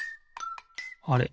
あれ？